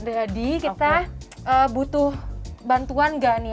jadi kita butuh bantuan gak nih